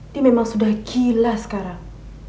ini memang sudah gila sekarang